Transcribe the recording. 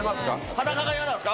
裸が嫌なんですか？